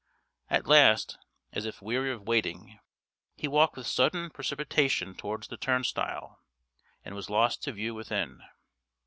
At last, as if weary of waiting, he walked with sudden precipitation towards the turnstile, and was lost to view within.